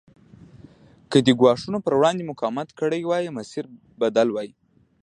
که دې ګواښونو پر وړاندې مقاومت کړی وای مسیر بدل وای.